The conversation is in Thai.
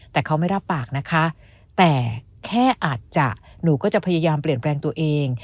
แต่เขาไม่รับปากนะคะแต่แค่อาจจะหนูก็จะพยายามเปลี่ยนแปลงตัวเอง